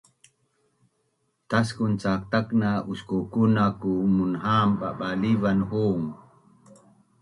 Taskun cak takna uskukunan ku munha’an babalivan hungta